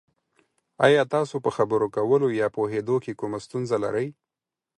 ایا تاسو په خبرو کولو یا پوهیدو کې کومه ستونزه لرئ؟